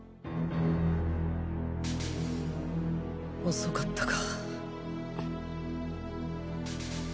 遅かったか。